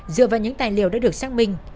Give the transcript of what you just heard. dựa vào những tài liệu đã được xác minh